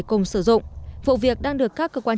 cùng sử dụng vụ việc đang được các cơ quan